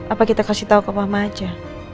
apa kita kasih tahu ke mama aja